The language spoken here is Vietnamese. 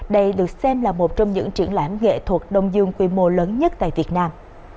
đây được xem là một trong những triển lãm nghệ thuật đông dương quy mô lớn nhất tại việt nam